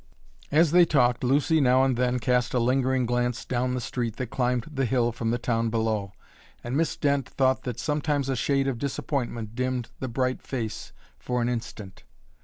As they talked Lucy now and then cast a lingering glance down the street that climbed the hill from the town below, and Miss Dent thought that sometimes a shade of disappointment dimmed the bright face for an instant.